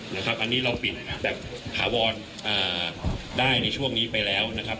อันนี้เราปิดแบบถาวรได้ในช่วงนี้ไปแล้วนะครับ